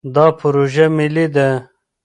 دا پروژه ملي ده.